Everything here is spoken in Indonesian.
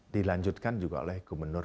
dilanjutkan juga oleh gubernur